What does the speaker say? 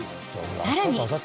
さらに。